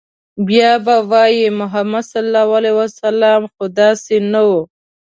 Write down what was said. بيا به وايي، محمد ص خو داسې نه و